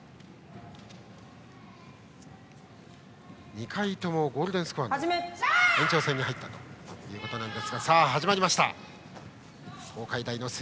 ２回ともゴールデンスコアの延長戦に入ったということです。